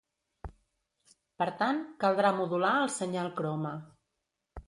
Per tant, caldrà modular el senyal croma.